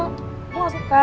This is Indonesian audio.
gue gak suka